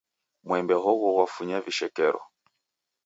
Mwembe hogho ghwafunya vishekero.